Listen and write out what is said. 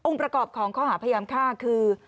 องค์ประกอบของข้อหาพยามฆ่าคือ